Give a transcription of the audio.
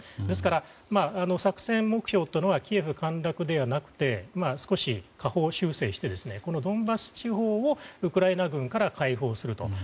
ですから、作戦目標というのはキエフ陥落ではなくて少し下方修正してドンバス地方をウクライナ軍から解放すると。